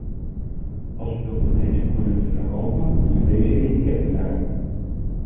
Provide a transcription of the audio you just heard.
Als u wilt dat deze producten verkopen, moeten deze etiketten erop.